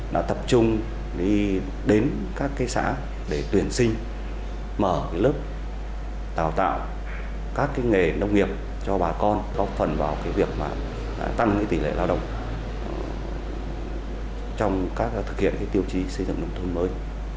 đã tập trung đi đến các xã để tuyển sinh mở lớp đào tạo các nghề nông nghiệp cho bà con góp phần vào việc tăng tỷ lệ lao động trong các thực hiện tiêu chí xây dựng nông thôn mới